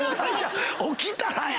起きたらや。